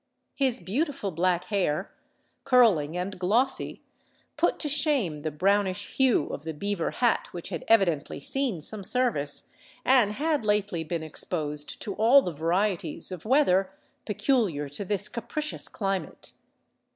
His beautiful black hair, curling and glossy, put to shame the brownish hue of the beaver hat which had evidently seen some service, and had lately been exposed to all the varieties of weather peculiar to this capricious climate.